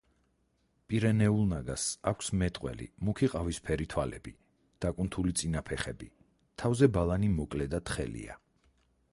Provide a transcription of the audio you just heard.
პირენეულ ნაგაზს აქვს მეტყველი, მუქი-ყავისფერი თვალები, დაკუნთული წინა ფეხები, თავზე ბალანი მოკლე და თხელია.